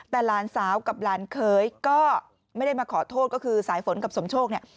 แต่หลานสาวกับหลานเคยก็ไม่ได้มาขอโทษก็คือสายฝนกับสมโชคเนี่ย